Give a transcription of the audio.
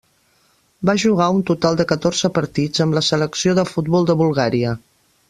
Va jugar un total de catorze partits amb la selecció de futbol de Bulgària.